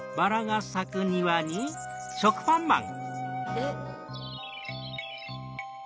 えっ？